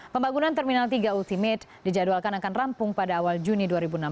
pembangunan terminal tiga ultimate dijadwalkan akan rampung pada awal juni dua ribu enam belas